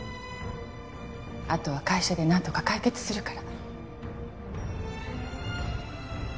あとは会社でなんとか解決するから。